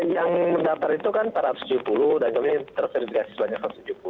yang mendatar itu kan empat ratus tujuh puluh dan kami terseritasi sebanyak empat ratus tujuh puluh